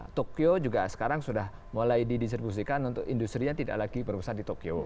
dan tokyo juga sekarang sudah mulai didistribusikan untuk industri yang tidak lagi berusaha di tokyo